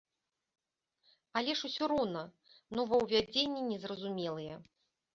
Але ж усё роўна новаўвядзенні незразумелыя.